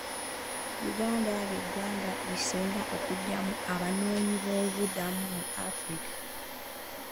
Uganda lye ggwanga erisinga okujjamu abanoonyiboobubudamu mu Africa.